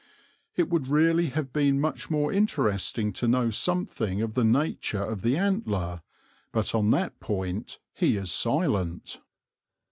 It would really have been much more interesting to know something of the nature of the antler; but on that point he is silent.